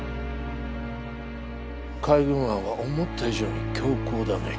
海軍案は思った以上に強硬だね。